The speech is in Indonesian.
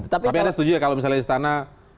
tapi anda setuju ya kalau misalnya istana